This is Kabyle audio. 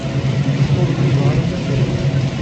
Tessawḍem Yuba ɣer unafag?